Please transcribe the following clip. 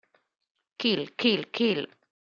Kill Kill Kill